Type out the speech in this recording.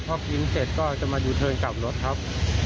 พอกินเสร็จก็จะมายูเทิร์นกลับรถครับ